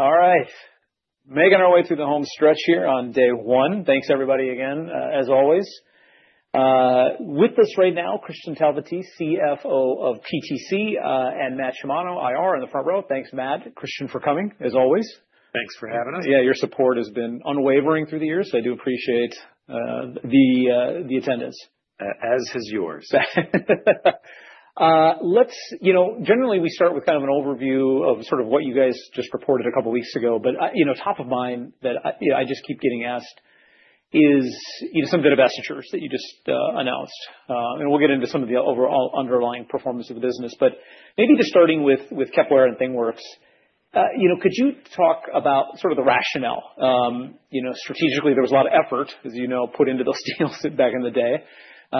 All right. Making our way through the home stretch here on day one. Thanks, everybody, again, as always. With us right now, Kristian Talvitie, CFO of PTC, and Matt Shimao, IR, in the front row. Thanks, Matt, Kristian, for coming, as always. Thanks for having us. Yeah, your support has been unwavering through the years, so I do appreciate the attendance. As has yours. Let's, you know, generally, we start with kind of an overview of sort of what you guys just reported a couple of weeks ago. You know, top of mind that I just keep getting asked is some bit of divestitures that you just announced. We'll get into some of the overall underlying performance of the business. Maybe just starting with Kepware and ThingWorx, you know, could you talk about sort of the rationale? You know, strategically, there was a lot of effort, as you know, put into those deals back in the day. You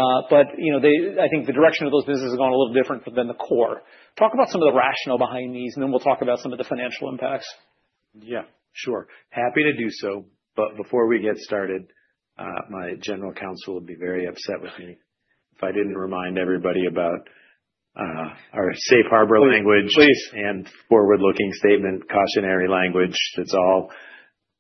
know, I think the direction of those businesses has gone a little different than the core. Talk about some of the rationale behind these, and then we'll talk about some of the financial impacts. Yeah, sure. Happy to do so. Before we get started, my general counsel would be very upset with me if I did not remind everybody about our safe harbor language. Please. Forward-looking statement, cautionary language, that's all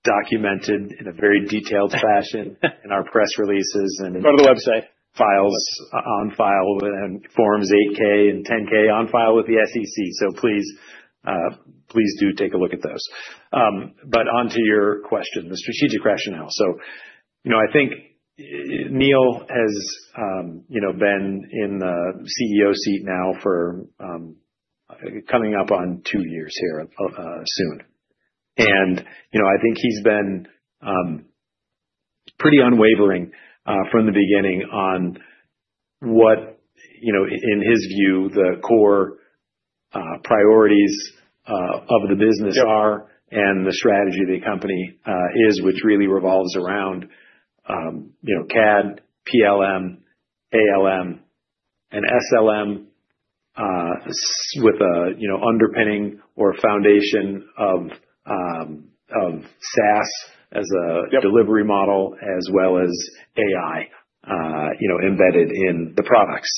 documented in a very detailed fashion in our press releases. Go to the website. Files on file within Forms 8K and 10K on file with the SEC. Please, please do take a look at those. On to your question, the strategic rationale. You know, I think Neil has, you know, been in the CEO seat now for coming up on two years here soon. You know, I think he's been pretty unwavering from the beginning on what, you know, in his view, the core priorities of the business are and the strategy of the company is, which really revolves around, you know, CAD, PLM, ALM, and SLM with a, you know, underpinning or foundation of SaaS as a delivery model, as well as AI, you know, embedded in the products.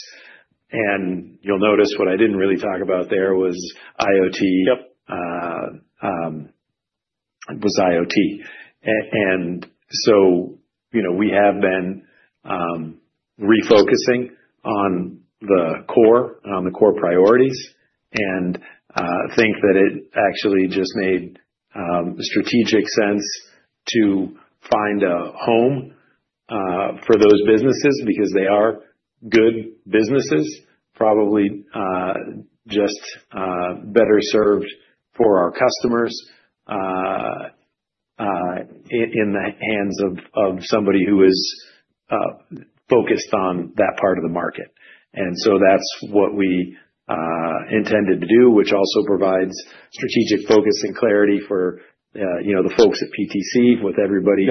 You'll notice what I didn't really talk about there was IoT. Yep. IoT was. And so, you know, we have been refocusing on the core and on the core priorities and think that it actually just made strategic sense to find a home for those businesses because they are good businesses, probably just better served for our customers in the hands of somebody who is focused on that part of the market. That is what we intended to do, which also provides strategic focus and clarity for, you know, the folks at PTC with everybody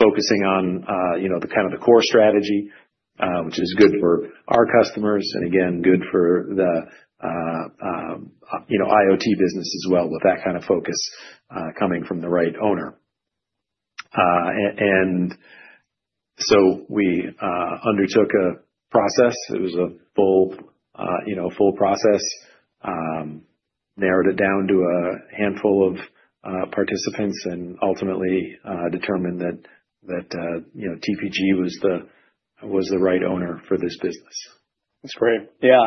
focusing on, you know, the kind of the core strategy, which is good for our customers and, again, good for the, you know, IoT business as well with that kind of focus coming from the right owner. We undertook a process. It was a full, you know, full process, narrowed it down to a handful of participants, and ultimately determined that, you know, TPG was the right owner for this business. That's great. Yeah.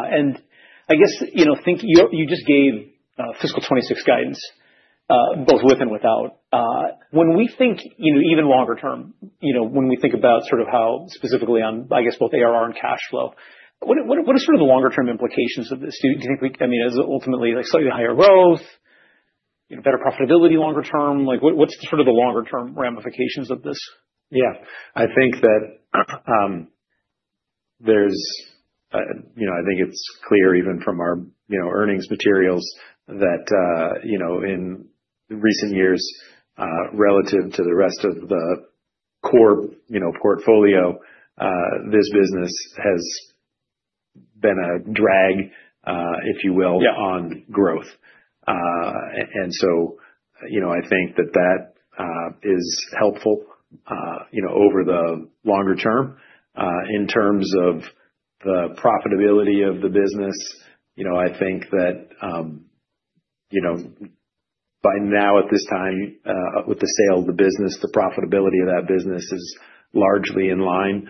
I guess, you know, think you just gave fiscal 2026 guidance both with and without. When we think, you know, even longer term, you know, when we think about sort of how specifically on, I guess, both ARR and cash flow, what are sort of the longer term implications of this? Do you think, I mean, as ultimately, like slightly higher growth, you know, better profitability longer term? Like what's sort of the longer term ramifications of this? Yeah. I think that there's, you know, I think it's clear even from our, you know, earnings materials that, you know, in recent years, relative to the rest of the core, you know, portfolio, this business has been a drag, if you will, on growth. I think that that is helpful, you know, over the longer term in terms of the profitability of the business. You know, I think that, you know, by now at this time, with the sale of the business, the profitability of that business is largely in line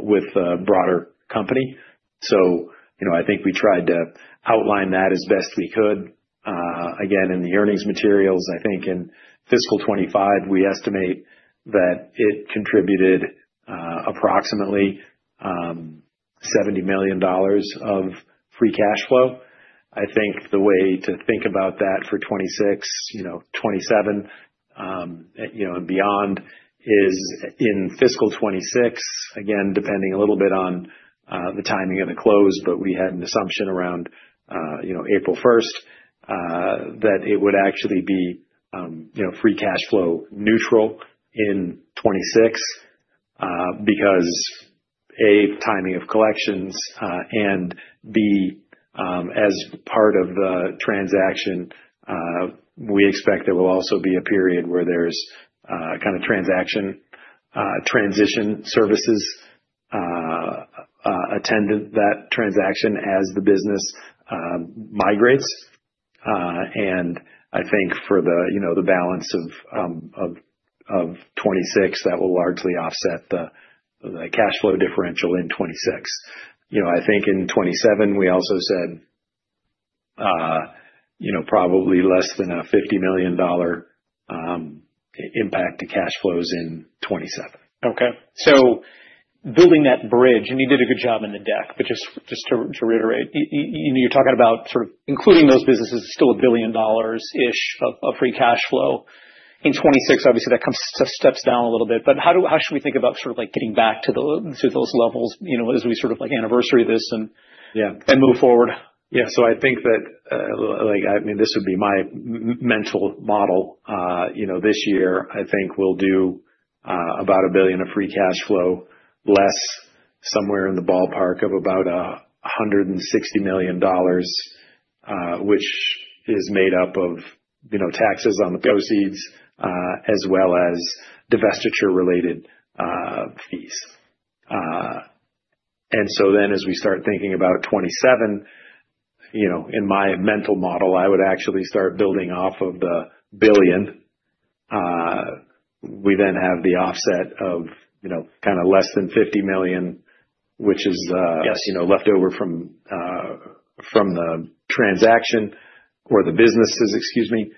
with a broader company. You know, I think we tried to outline that as best we could. Again, in the earnings materials, I think in fiscal 2025, we estimate that it contributed approximately $70 million of free cash flow. I think the way to think about that for 2026, you know, 2027, you know, and beyond is in fiscal 2026, again, depending a little bit on the timing of the close, but we had an assumption around, you know, April 1st that it would actually be, you know, free cash flow neutral in 2026 because A, timing of collections, and B, as part of the transaction, we expect there will also be a period where there's kind of transaction transition services attendant that transaction as the business migrates. I think for the, you know, the balance of 2026, that will largely offset the cash flow differential in 2026. You know, I think in 2027, we also said, you know, probably less than a $50 million impact to cash flows in 2027. Okay. Building that bridge, and you did a good job in the deck, but just to reiterate, you know, you're talking about sort of including those businesses is still a $1 billion dollars-ish of free cash flow. In 2026, obviously, that steps down a little bit. How should we think about sort of like getting back to those levels, you know, as we sort of like anniversary this and move forward? Yeah. I think that, like, I mean, this would be my mental model. You know, this year, I think we'll do about $1 billion of free cash flow less, somewhere in the ballpark of about $160 million, which is made up of, you know, taxes on the proceeds as well as divestiture-related fees. As we start thinking about 2027, you know, in my mental model, I would actually start building off of the $1 billion. We then have the offset of, you know, kind of less than $50 million, which is, you know, left over from the transaction or the businesses, excuse me.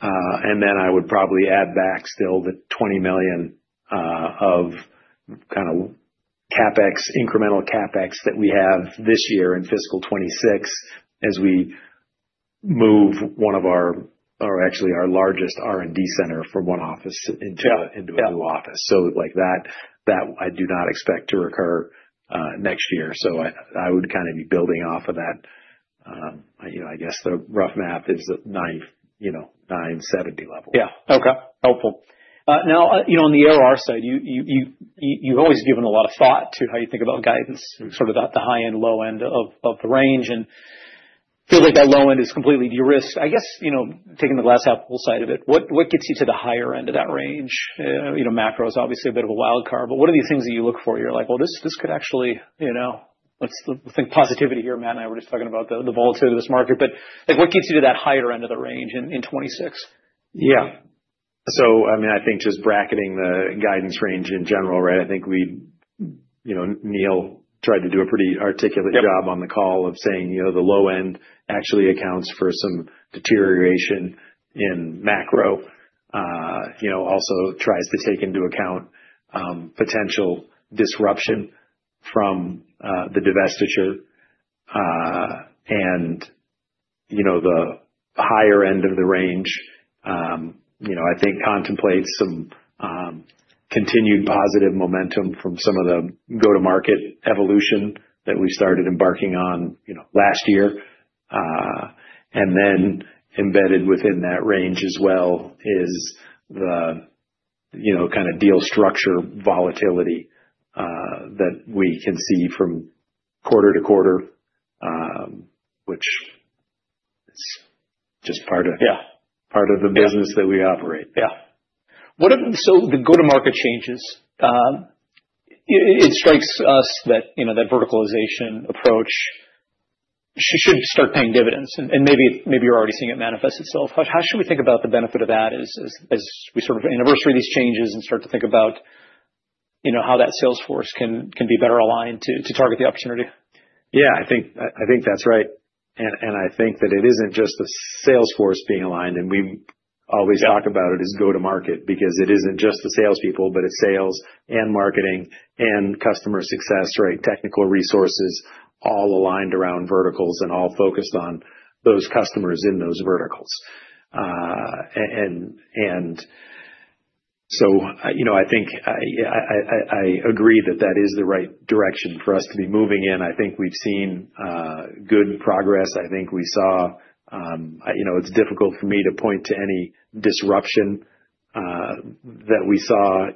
I would probably add back still the $20 million of kind of CapEx, incremental CapEx that we have this year in fiscal 2026 as we move one of our, or actually our largest R&D center from one office into a new office. Like that, that I do not expect to occur next year. I would kind of be building off of that. You know, I guess the rough math is a, you know, 970 level. Yeah. Okay. Helpful. Now, you know, on the ARR side, you've always given a lot of thought to how you think about guidance, sort of the high end, low end of the range. And it feels like that low end is completely de-risked. I guess, you know, taking the glass half full side of it, what gets you to the higher end of that range? You know, macro is obviously a bit of a wild card, but what are the things that you look for? You're like, well, this could actually, you know, let's think positivity here. Matt and I were just talking about the volatility of this market. But like what gets you to that higher end of the range in 2026? Yeah. I mean, I think just bracketing the guidance range in general, right? I think we, you know, Neil tried to do a pretty articulate job on the call of saying, you know, the low end actually accounts for some deterioration in macro. You know, also tries to take into account potential disruption from the divestiture. You know, the higher end of the range, I think contemplates some continued positive momentum from some of the go-to-market evolution that we started embarking on last year. Then embedded within that range as well is the kind of deal structure volatility that we can see from quarter-to-quarter, which is just part of. Yeah. Part of the business that we operate. Yeah. What if, so the go-to-market changes, it strikes us that, you know, that verticalization approach should start paying dividends. And maybe you're already seeing it manifest itself. How should we think about the benefit of that as we sort of anniversary these changes and start to think about, you know, how that sales force can be better aligned to target the opportunity? Yeah, I think that's right. I think that it isn't just the sales force being aligned, and we always talk about it as go-to-market because it isn't just the salespeople, but it's sales and marketing and customer success, right? Technical resources all aligned around verticals and all focused on those customers in those verticals. You know, I think I agree that that is the right direction for us to be moving in. I think we've seen good progress. I think we saw, you know, it's difficult for me to point to any disruption that we saw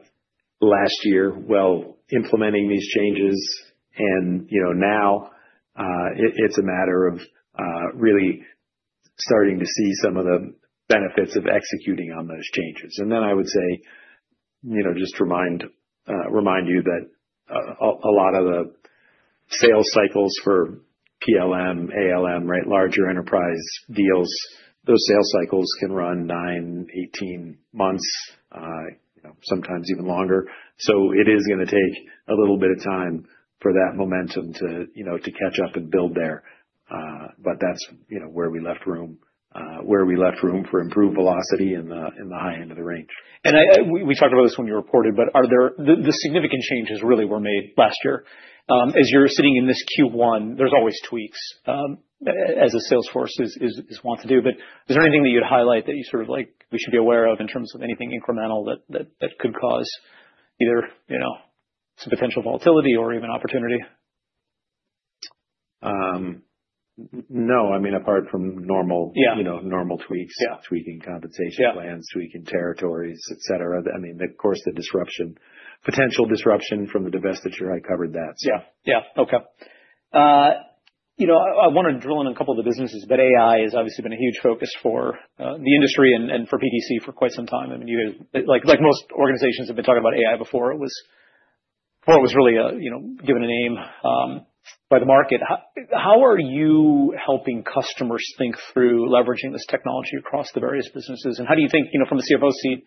last year while implementing these changes. You know, now it's a matter of really starting to see some of the benefits of executing on those changes. I would say, you know, just remind you that a lot of the sales cycles for PLM, ALM, right? Larger enterprise deals, those sales cycles can run 9-18 months, you know, sometimes even longer. It is going to take a little bit of time for that momentum to, you know, to catch up and build there. That is, you know, where we left room, where we left room for improved velocity in the high end of the range. We talked about this when you reported, but are there the significant changes really were made last year? As you're sitting in this Q1, there's always tweaks as a sales force is wanting to do. Is there anything that you'd highlight that you sort of like we should be aware of in terms of anything incremental that could cause either, you know, some potential volatility or even opportunity? No. I mean, apart from normal, you know, normal tweaks, tweaking compensation plans, tweaking territories, etc. I mean, of course, the disruption, potential disruption from the divestiture, I covered that. Yeah. Yeah. Okay. You know, I want to drill in on a couple of the businesses, but AI has obviously been a huge focus for the industry and for PTC for quite some time. I mean, you guys, like most organizations, have been talking about AI before it was really, you know, given a name by the market. How are you helping customers think through leveraging this technology across the various businesses? And how do you think, you know, from the CFO seat,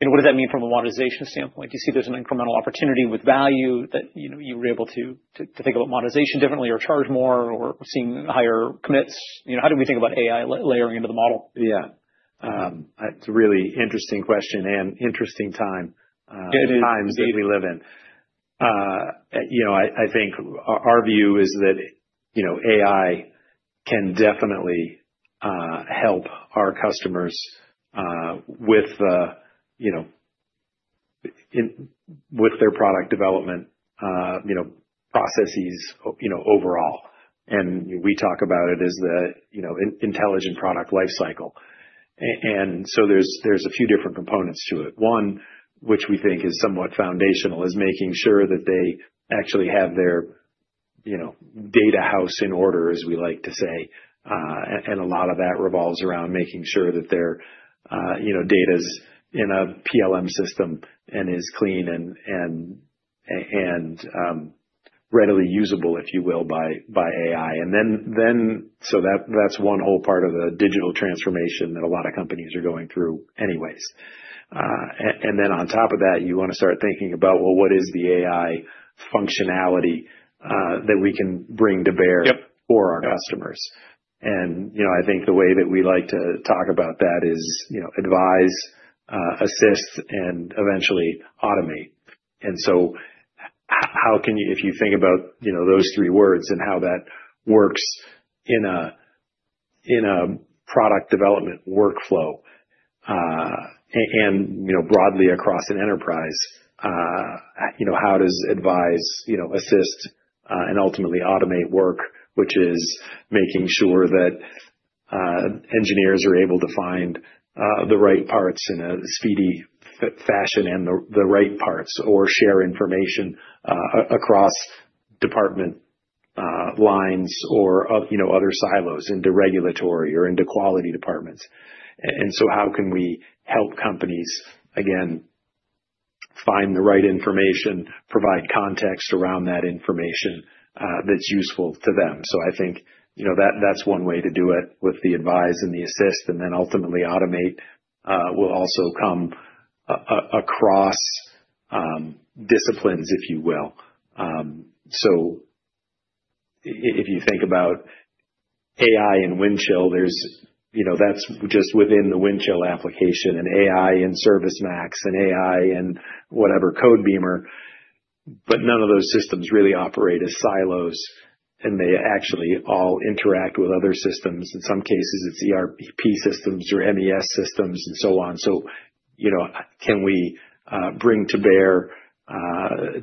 you know, what does that mean from a monetization standpoint? Do you see there's an incremental opportunity with value that, you know, you were able to think about monetization differently or charge more or seeing higher commits? You know, how do we think about AI layering into the model? Yeah. It's a really interesting question and interesting time. It is. Times that we live in. You know, I think our view is that, you know, AI can definitely help our customers with, you know, with their product development, you know, processes, you know, overall. We talk about it as the, you know, intelligent product lifecycle. There are a few different components to it. One, which we think is somewhat foundational, is making sure that they actually have their, you know, data house in order, as we like to say. A lot of that revolves around making sure that their, you know, data's in a PLM system and is clean and readily usable, if you will, by AI. That is one whole part of the digital transformation that a lot of companies are going through anyways. You want to start thinking about, well, what is the AI functionality that we can bring to bear for our customers? You know, I think the way that we like to talk about that is, you know, advise, assist, and eventually automate. If you think about, you know, those three words and how that works in a product development workflow and, you know, broadly across an enterprise, you know, how does advise, you know, assist and ultimately automate work, which is making sure that engineers are able to find the right parts in a speedy fashion and the right parts or share information across department lines or, you know, other silos into regulatory or into quality departments. How can we help companies, again, find the right information, provide context around that information that's useful to them? I think, you know, that's one way to do it with the advise and the assist and then ultimately automate will also come across disciplines, if you will. If you think about AI and Windchill, there's, you know, that's just within the Windchill application and AI and ServiceMax and AI and whatever, Codebeamer, but none of those systems really operate as silos and they actually all interact with other systems. In some cases, it's ERP systems or MES systems and so on. You know, can we bring to bear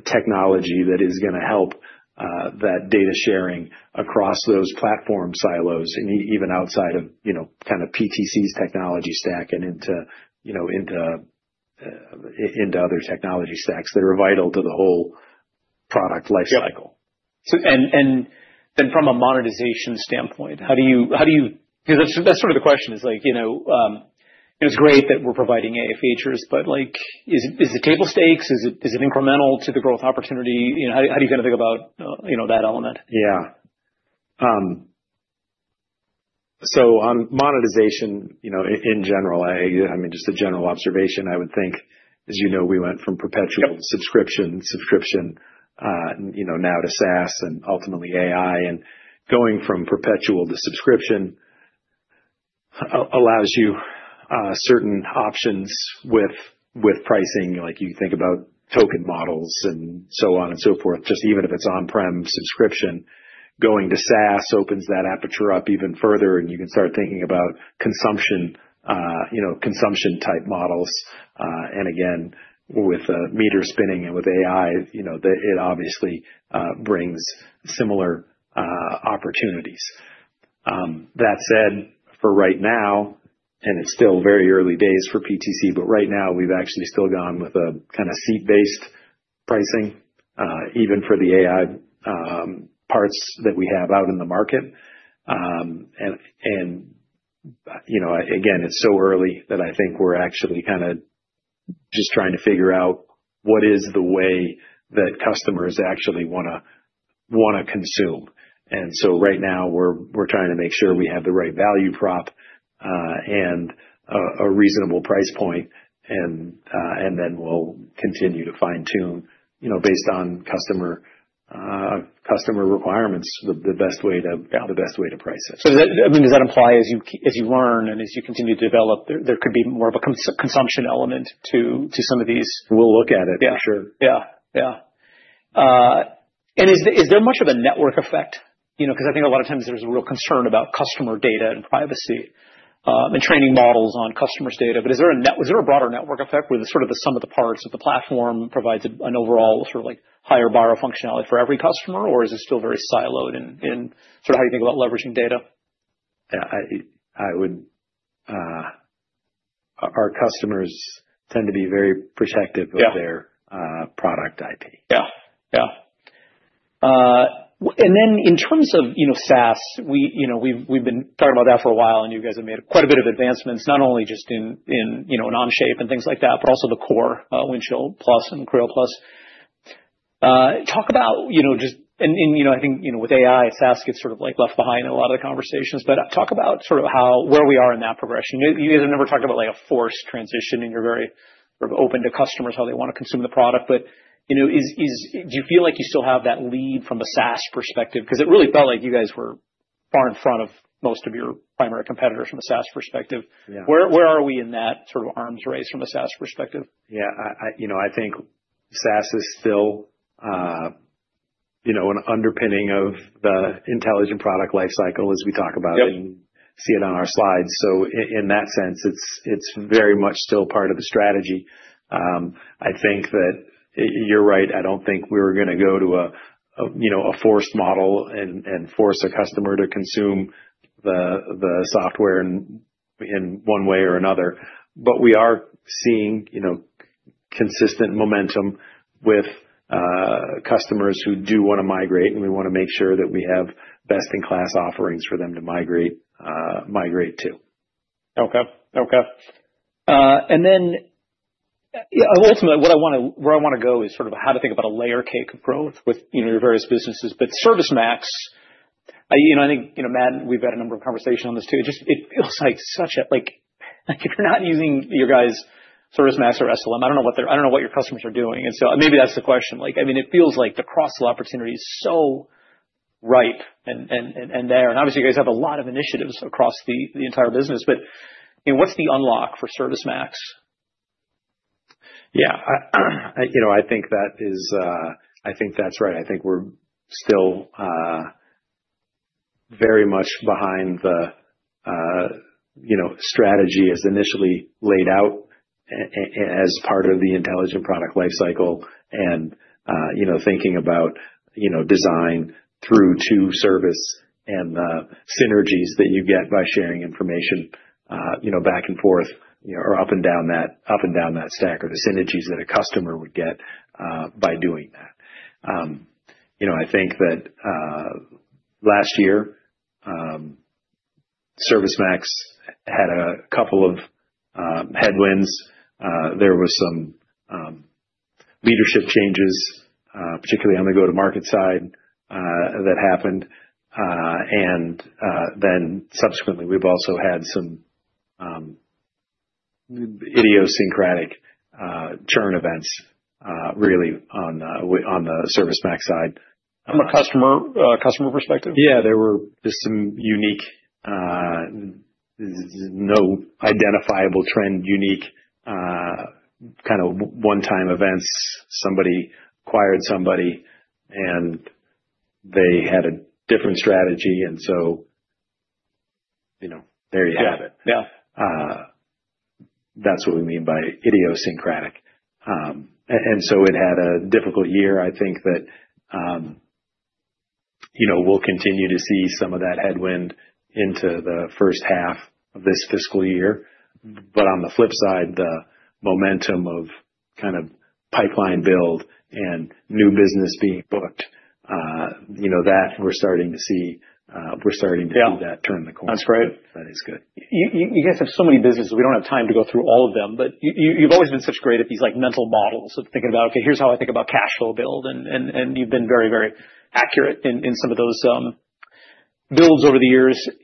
technology that is going to help that data sharing across those platform silos and even outside of, you know, kind of PTC's technology stack and into, you know, into other technology stacks that are vital to the whole product lifecycle? From a monetization standpoint, how do you, because that's sort of the question, is like, you know, it's great that we're providing AI features, but like is it table stakes? Is it incremental to the growth opportunity? You know, how do you kind of think about, you know, that element? Yeah. On monetization, you know, in general, I mean, just a general observation, I would think, as you know, we went from perpetual to subscription, subscription, you know, now to SaaS and ultimately AI. Going from perpetual to subscription allows you certain options with pricing, like you think about token models and so on and so forth, just even if it's on-prem subscription. Going to SaaS opens that aperture up even further and you can start thinking about consumption, you know, consumption type models. Again, with meter spinning and with AI, you know, it obviously brings similar opportunities. That said, for right now, and it's still very early days for PTC, but right now we've actually still gone with a kind of seat-based pricing, even for the AI parts that we have out in the market. You know, again, it's so early that I think we're actually kind of just trying to figure out what is the way that customers actually want to consume. Right now we're trying to make sure we have the right value prop and a reasonable price point. We will continue to fine-tune, you know, based on customer requirements, the best way to, yeah, the best way to price it. I mean, does that imply as you learn and as you continue to develop, there could be more of a consumption element to some of these? We'll look at it for sure. Yeah. Yeah. Is there much of a network effect? You know, I think a lot of times there's a real concern about customer data and privacy and training models on customers' data. Is there a broader network effect where the sum of the parts of the platform provides an overall higher borrow functionality for every customer? Or is it still very siloed in how you think about leveraging data? Yeah, I would, our customers tend to be very protective of their product IP. Yeah. Yeah. In terms of, you know, SaaS, we, you know, we've been talking about that for a while and you guys have made quite a bit of advancements, not only just in, you know, in Onshape and things like that, but also the core Windchill+ and Creo+. Talk about, you know, just, and you know, I think, you know, with AI, SaaS gets sort of like left behind in a lot of the conversations. Talk about sort of how, where we are in that progression. You guys have never talked about like a forced transition and you're very sort of open to customers how they want to consume the product. You know, do you feel like you still have that lead from a SaaS perspective? Because it really felt like you guys were far in front of most of your primary competitors from a SaaS perspective. Where are we in that sort of arms race from a SaaS perspective? Yeah. You know, I think SaaS is still, you know, an underpinning of the intelligent product lifecycle as we talk about it and see it on our slides. In that sense, it's very much still part of the strategy. I think that you're right. I don't think we're going to go to a, you know, a forced model and force a customer to consume the software in one way or another. We are seeing, you know, consistent momentum with customers who do want to migrate and we want to make sure that we have best-in-class offerings for them to migrate to. Okay. Okay. Ultimately what I want to, where I want to go is sort of how to think about a layer cake approach with, you know, your various businesses. ServiceMax, you know, I think, you know, Matt, we've had a number of conversations on this too. It just, it feels like such a, like, like if you're not using your guys' ServiceMax or SLM, I don't know what they're, I don't know what your customers are doing. Maybe that's the question. I mean, it feels like the cross-sell opportunity is so ripe and there. Obviously you guys have a lot of initiatives across the entire business, but what's the unlock for ServiceMax? Yeah. You know, I think that is, I think that's right. I think we're still very much behind the, you know, strategy as initially laid out as part of the intelligent product lifecycle and, you know, thinking about, you know, design through to service and the synergies that you get by sharing information, you know, back and forth, you know, or up and down that, up and down that stack or the synergies that a customer would get by doing that. You know, I think that last year ServiceMax had a couple of headwinds. There were some leadership changes, particularly on the go-to-market side that happened. Subsequently, we've also had some idiosyncratic churn events really on the ServiceMax side. From a customer perspective? Yeah. There were just some unique, no identifiable trend, unique kind of one-time events. Somebody acquired somebody and they had a different strategy. You know, there you have it. Yeah. Yeah. That's what we mean by idiosyncratic. It had a difficult year. I think that, you know, we'll continue to see some of that headwind into the first half of this fiscal year. On the flip side, the momentum of kind of pipeline build and new business being booked, you know, that we're starting to see, we're starting to see that turn the corner. That's great. That is good. You guys have so many businesses. We don't have time to go through all of them, but you've always been such great at these like mental models of thinking about, okay, here's how I think about cash flow build. And you've been very, very accurate in some of those builds over the years. Do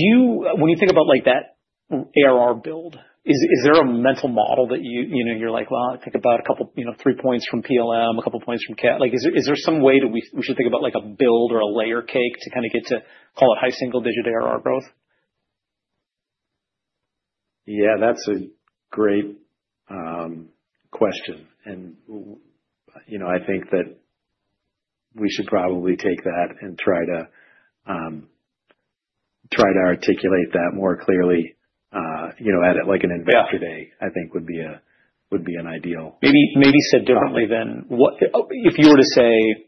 you, when you think about like that ARR build, is there a mental model that you, you know, you're like, well, I think about a couple, you know, three points from PLM, a couple points from CAD? Like, is there some way that we should think about like a build or a layer cake to kind of get to call it high single-digit ARR growth? Yeah, that's a great question. You know, I think that we should probably take that and try to articulate that more clearly, you know, at like an Investor Day. I think that would be ideal. Maybe said differently than what if you were to say,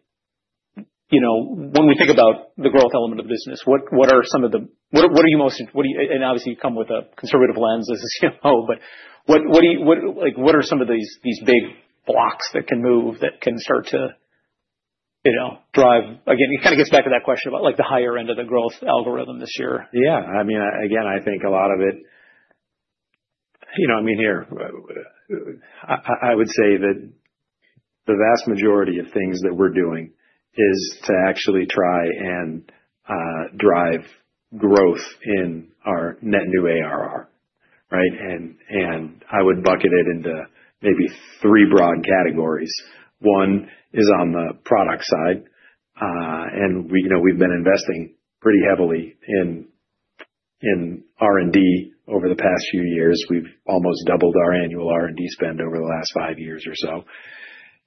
you know, when we think about the growth element of the business, what are some of the, what are you most, and obviously you come with a conservative lens as you know, but what are some of these big blocks that can move that can start to, you know, drive? Again, it kind of gets back to that question about like the higher end of the growth algorithm this year. Yeah. I mean, again, I think a lot of it, you know, I mean, here, I would say that the vast majority of things that we're doing is to actually try and drive growth in our net new ARR, right? I would bucket it into maybe three broad categories. One is on the product side. We, you know, we've been investing pretty heavily in R&D over the past few years. We've almost doubled our annual R&D spend over the last five years or so.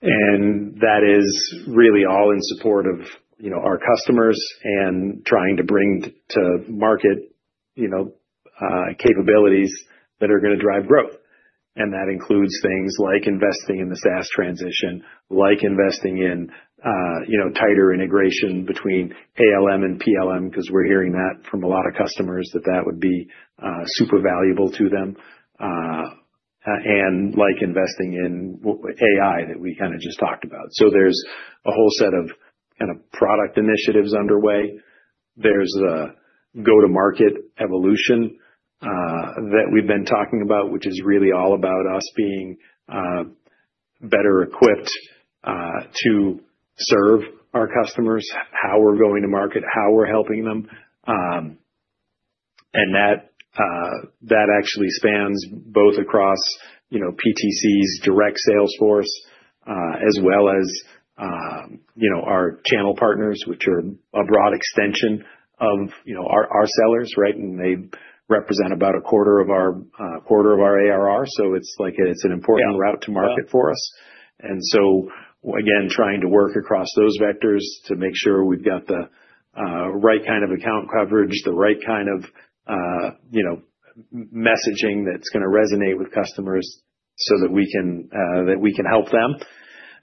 That is really all in support of, you know, our customers and trying to bring to market, you know, capabilities that are going to drive growth. That includes things like investing in the SaaS transition, like investing in, you know, tighter integration between ALM and PLM, because we're hearing that from a lot of customers that that would be super valuable to them. Like investing in AI that we kind of just talked about. There is a whole set of kind of product initiatives underway. There is a go-to-market evolution that we've been talking about, which is really all about us being better equipped to serve our customers, how we're going to market, how we're helping them. That actually spans both across, you know, PTC's direct sales force, as well as, you know, our channel partners, which are a broad extension of, you know, our sellers, right? They represent about a quarter of our, quarter of our ARR. It is an important route to market for us. Again, trying to work across those vectors to make sure we've got the right kind of account coverage, the right kind of, you know, messaging that's going to resonate with customers so that we can help them.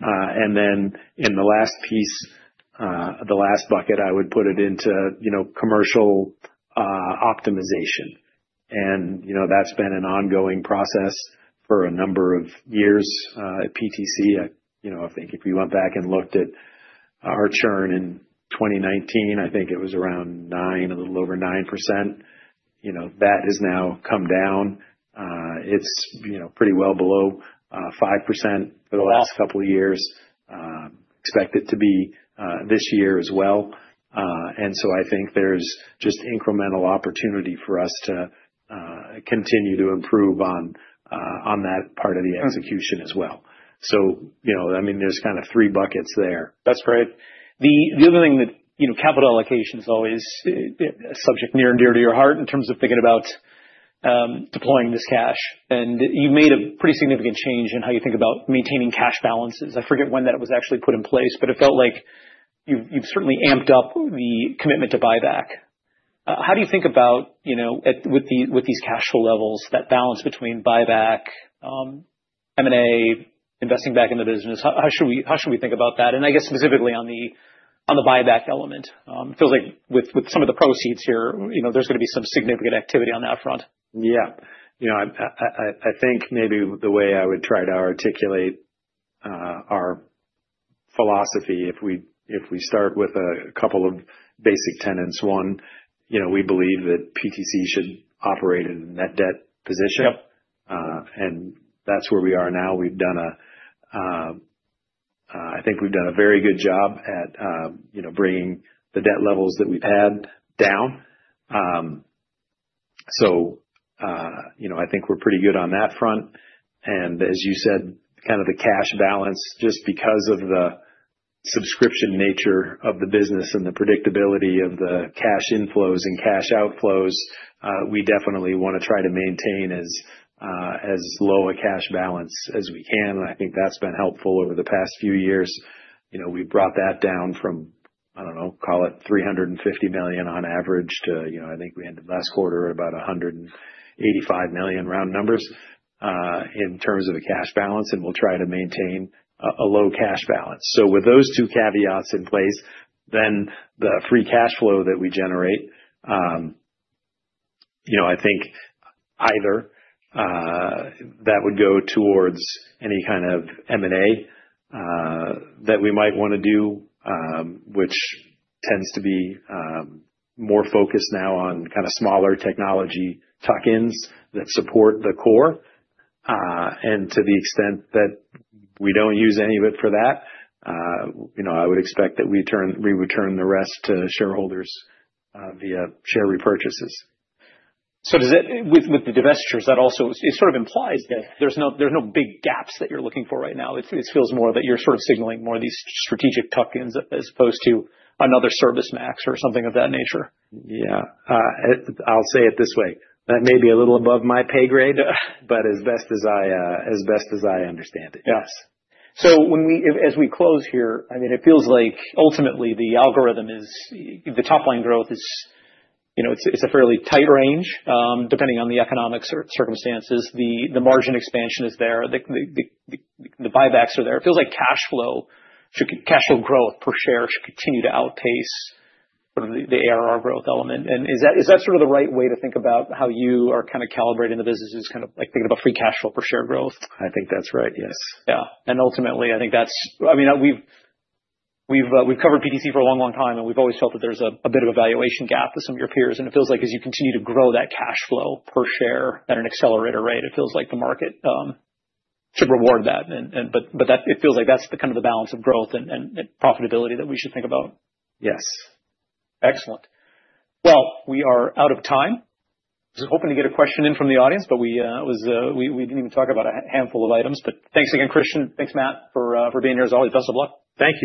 In the last piece, the last bucket, I would put it into, you know, commercial optimization. You know, that's been an ongoing process for a number of years at PTC. You know, I think if you went back and looked at our churn in 2019, I think it was around 9%, a little over 9%. You know, that has now come down. It's, you know, pretty well below 5% for the last couple of years. Expect it to be this year as well. I think there's just incremental opportunity for us to continue to improve on that part of the execution as well. You know, I mean, there's kind of three buckets there. That's great. The other thing that, you know, capital allocation is always a subject near and dear to your heart in terms of thinking about deploying this cash. And you've made a pretty significant change in how you think about maintaining cash balances. I forget when that was actually put in place, but it felt like you've certainly amped up the commitment to buyback. How do you think about, you know, with these cash flow levels, that balance between buyback, M&A, investing back in the business? How should we think about that? I guess specifically on the buyback element, it feels like with some of the proceeds here, you know, there's going to be some significant activity on that front. Yeah. You know, I think maybe the way I would try to articulate our philosophy, if we start with a couple of basic tenets. One, you know, we believe that PTC should operate in a net debt position. That is where we are now. We've done a, I think we've done a very good job at, you know, bringing the debt levels that we've had down. You know, I think we're pretty good on that front. As you said, kind of the cash balance, just because of the subscription nature of the business and the predictability of the cash inflows and cash outflows, we definitely want to try to maintain as low a cash balance as we can. I think that's been helpful over the past few years. You know, we've brought that down from, I don't know, call it $350 million on average to, you know, I think we ended last quarter at about $185 million round numbers in terms of a cash balance. We'll try to maintain a low cash balance. With those two caveats in place, then the free cash flow that we generate, you know, I think either that would go towards any kind of M&A that we might want to do, which tends to be more focused now on kind of smaller technology tuck-ins that support the core. To the extent that we don't use any of it for that, you know, I would expect that we turn, we would turn the rest to shareholders via share repurchases. Does it, with the divestitures, also sort of imply that there's no big gaps that you're looking for right now? It feels more that you're sort of signaling more of these strategic tuck-ins as opposed to another ServiceMax or something of that nature. Yeah. I'll say it this way. That may be a little above my pay grade, but as best as I understand it, yes. When we, as we close here, I mean, it feels like ultimately the algorithm is, the top line growth is, you know, it's a fairly tight range depending on the economic circumstances. The margin expansion is there. The buybacks are there. It feels like cash flow, cash flow growth per share should continue to outpace sort of the ARR growth element. Is that sort of the right way to think about how you are kind of calibrating the business, is kind of like thinking about free cash flow per share growth? I think that's right, yes. Yeah. Ultimately, I think that's, I mean, we've covered PTC for a long, long time and we've always felt that there's a bit of a valuation gap with some of your peers. It feels like as you continue to grow that cash flow per share at an accelerator rate, it feels like the market should reward that. It feels like that's the kind of the balance of growth and profitability that we should think about. Yes. Excellent. We are out of time. I was hoping to get a question in from the audience, but we did not even talk about a handful of items. Thanks again, Kristian. Thanks, Matt, for being here as always. Best of luck. Thank you.